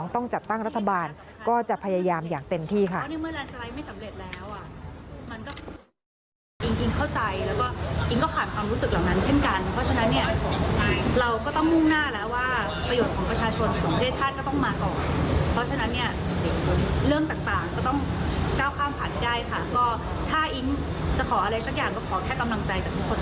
ต้องจัดตั้งรัฐบาลก็จะพยายามอย่างเต็มที่ค่ะ